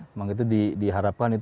memang itu diharapkan